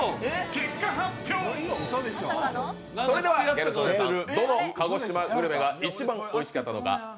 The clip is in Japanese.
ギャル曽根さん、どの鹿児島グルメが一番おいしかったのか。